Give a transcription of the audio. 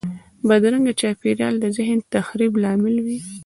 بدرنګه چاپېریال د ذهن د تخریب لامل وي